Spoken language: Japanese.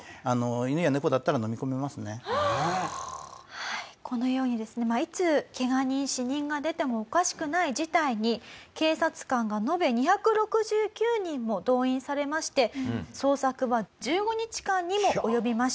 はいこのようにですねいつケガ人死人が出てもおかしくない事態に警察官が延べ２６９人も動員されまして捜索は１５日間にも及びました。